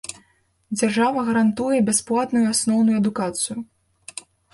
Дзяржава гарантуе бясплатную асноўную адукацыю.